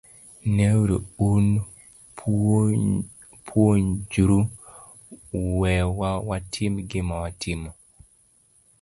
Neuru, un puonjru, wewa watim gima watimo.